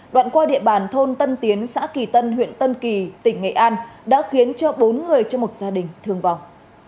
đoạn qua địa bàn thôn tân tiến xã kỳ tân huyện tân kỳ tỉnh nghệ an đã khiến cho bốn người trong một gia đình thương vọng